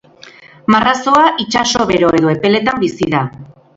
Marrazoa itsaso bero edo epeletan bizi da.